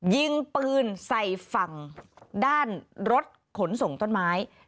ยิงปืนใส่ฝั่งด้านรถขนส่งต้นไม้